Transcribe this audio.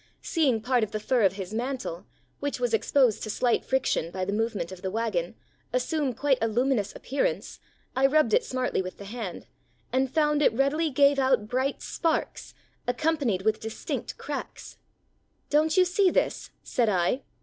Seeing part of the fur of his man tle, which was exposed to slight friction by the move 389 WESTERN AND CENTRAL AFRICA ment of the wagon, assume quite a luminous appearance, I rubbed it smartly with the hand, and found it readily gave out bright sparks, accompanied with distinct cracks. Don't you see this?" said I.